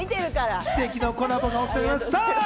奇跡のコラボが起きております。